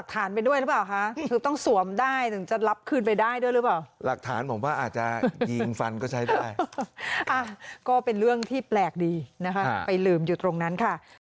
ต้องเอาหลักฐานไปด้วยหรือเปล่าฮะ